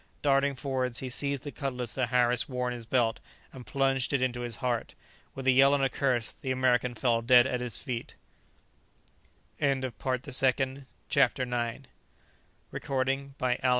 Darting forwards he seized the cutlass that Harris wore in his belt, and plunged it into his heart. With a yell and a curse, the American fell dead at his feet. CHAPTER X. MARKET DAY.